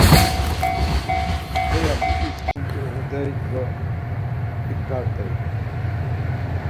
P̌eya muşi sixint̆i uğurt̆ey do ibgart̆ey?